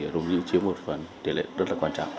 dung nhĩ chiếm một phần tiền lệ rất là quan trọng